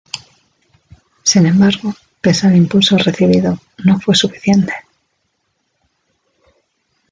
Sin embargo, pese al impulso recibido, no fue suficiente.